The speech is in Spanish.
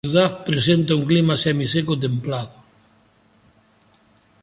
La ciudad presenta un clima semiseco templado.